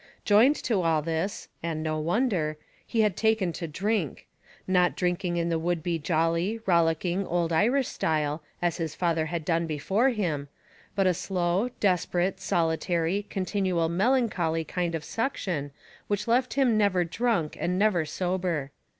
Joined to all this and no wonder he had taken to drink, not drinking in the would be jolly, rollicking, old Irish style, as his father had done before him; but a slow, desperate, solitary, continual melancholy kind of suction, which left him never drunk and never sober.